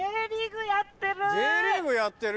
・Ｊリーグやってる！